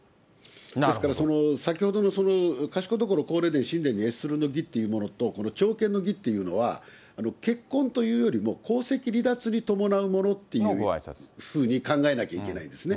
ですから、先ほどの賢所・皇霊殿・神殿に謁するの儀と、この朝見の儀というのは、結婚というよりも、皇籍離脱に伴うものっていうふうに考えなきゃいけないんですね。